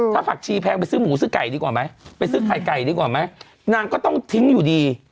ถ้าผักชีแพงไปซื้อหมูซื้อไก่ดีกว่าไหมไปซื้อไข่ไก่ดีกว่าไหมนางก็ต้องทิ้งอยู่ดี